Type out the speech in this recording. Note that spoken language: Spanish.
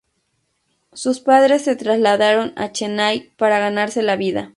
Sus padres se trasladaron a Chennai para ganarse la vida.